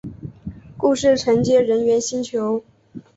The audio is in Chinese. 故事承接人猿星球。